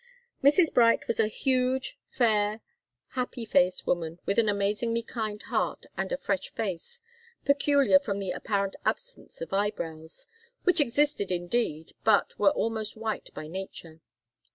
Mrs. Bright was a huge, fair, happy faced woman with an amazingly kind heart and a fresh face, peculiar from the apparent absence of eyebrows which existed, indeed, but were almost white by nature.